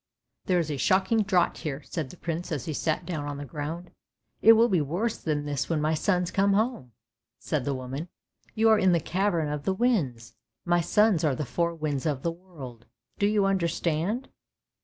"" There is a shocking draught here," said the Prince, as he sat down on the ground. " It will be worse than this when my sons come home! " said the woman. " You are in the cavern of the winds; my sons are the four winds of the world! Do you under stand?